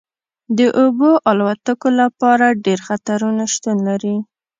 د اوبو الوتکو لپاره ډیر خطرونه شتون لري